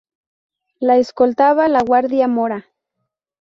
Le escoltaba la Guardia Mora.